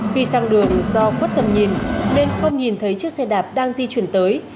khi sang đường do khuất tầm nhìn nên không nhìn thấy chiếc xe đạp đang di chuyển tới